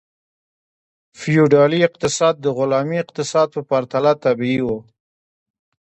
فیوډالي اقتصاد د غلامي اقتصاد په پرتله طبیعي و.